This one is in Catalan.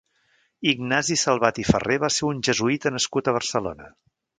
Ignasi Salvat i Ferrer va ser un jesuïta nascut a Barcelona.